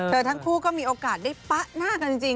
ทั้งคู่ก็มีโอกาสได้ปะหน้ากันจริง